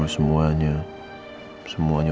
lalu aku mau kemana